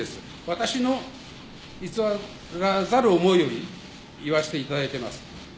私の偽らざる思いを言わせていただいてます。